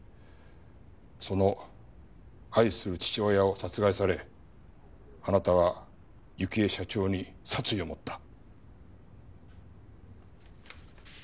その愛する父親を殺害されあなたは幸恵社長に殺意を持った。